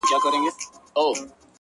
• څوک چي په ژوند کي سړی آزار کي ,